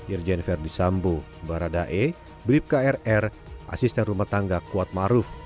irjen verdi sambu baradae brib krr asisten rumah tangga kuat maruf